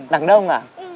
đằng đông à